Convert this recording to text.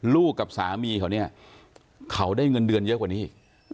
กับสามีเขาเนี่ยเขาได้เงินเดือนเยอะกว่านี้